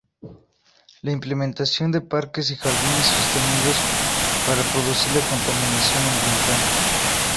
La implementación de parques y jardines sostenidos, para reducir la contaminación ambiental.